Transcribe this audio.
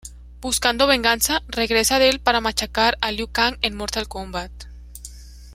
Buscando venganza, regresa del para machacar a Liu Kang en Mortal Kombat.